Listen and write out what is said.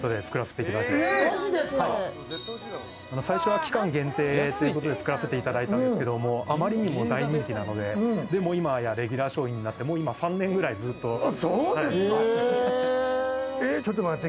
最初は期間限定ということで作らせていただいたんですけどあまりにも大人気なので今やレギュラー商品になってもう今、３年ぐらい、ずっと。